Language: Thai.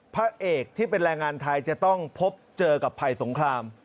พระเอกที่เป็นแรงงานไทยจะต้องพบเจอกับภัยสงคราม